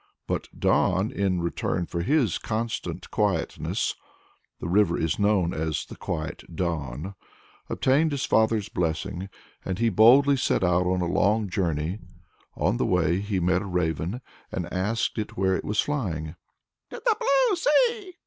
But Don, in return for his constant quietness (the river is known as "the quiet Don"), obtained his father's blessing, and he boldly set out on a long journey. On the way, he met a raven, and asked it where it was flying.